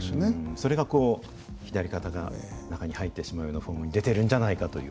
それが左肩が中に入ってしまうようなフォームに出てるんじゃないかという。